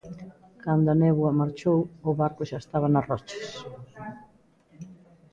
Cando a néboa marchou, o barco xa estaba nas rochas.